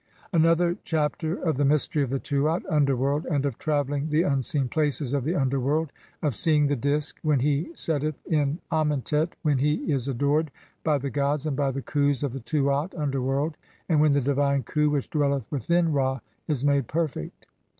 p. 23). Another Chapter of the mystery of the Teat (under world) and of traversing the unseen places of the UNDERWORLD, of seeing the Disk when he setteth in Amentet, [when] he is adored by the gods and by the Khus of the Tuat (underworld), and [when] the divine Khu which dwelleth within Ra is made perfect.